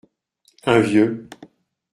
Un vieux.